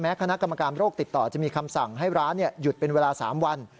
คณะกรรมการโรคติดต่อจะมีคำสั่งให้ร้านหยุดเป็นเวลา๓วัน